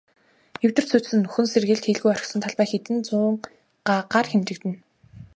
Эвдэрч сүйдсэн, нөхөн сэргээлт хийлгүй орхисон талбай хэдэн зуун гагаар хэмжигдэнэ.